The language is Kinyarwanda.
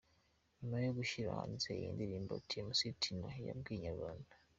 Nyuma yo gushyira hanze iyi ndirimbo Mc Tino yabwiye Inyarwanda.